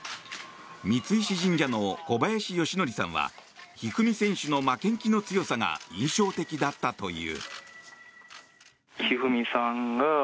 三石神社の小林義典さんは一二三選手の負けん気の強さが印象的だったという。